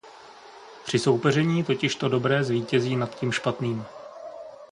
Při soupeření totiž to dobré zvítězí nad tím špatným.